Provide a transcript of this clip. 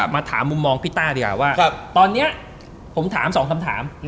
มาถามมุมมองพี่ต้าดีกว่าว่าตอนนี้ผมถามสองคำถาม